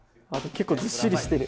結構ずっしりしてる。